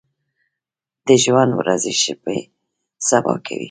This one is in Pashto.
د ژوند ورځې شپې سبا کوي ۔